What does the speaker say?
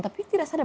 tapi tidak sadar